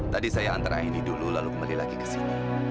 tadi saya antar aini dulu lalu kembali lagi kesini